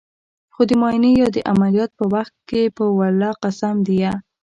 خو د معاينې يا د عمليات په وخت په ولله قسم ديه.